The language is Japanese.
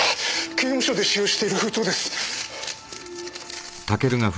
刑務所で使用している封筒です。